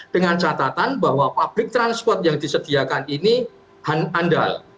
dengan catatan bahwa public transport yang disediakan ini andal